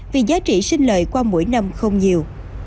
vì giá trị sinh lời qua mỗi năm không nhiều